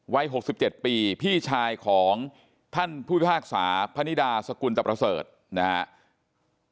วัย๖๗ปีพี่ชายของท่านผู้พิพากษาพนิดาสกุลตะประเสริฐนะครับ